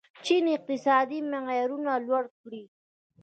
چین اقتصادي معیارونه لوړ کړي.